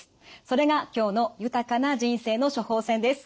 それが今日の「豊かな人生の処方せん」です。